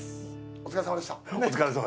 お疲れさまでした。